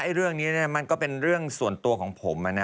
ไอ้เรื่องนี้เนี่ยมันก็เป็นเรื่องส่วนตัวของผมอะนะ